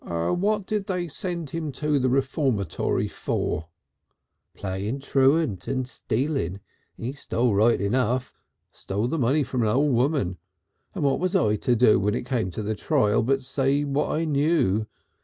"What did they send him to the Reformatory for?" "Playing truant and stealing. He stole right enough stole the money from an old woman, and what was I to do when it came to the trial but say what I knew.